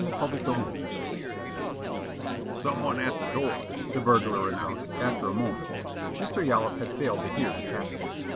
CHAPTER THREE "Some one at the door," the burglar announced, after a moment. Mr. Yollop had failed to hear the tapping.